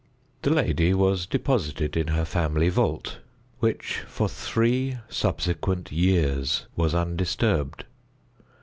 The lady was deposited in her family vault, which, for three subsequent years, was undisturbed.